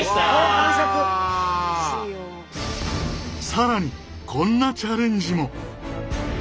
更にこんなチャレンジも！